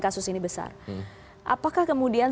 kasus ini besar apakah kemudian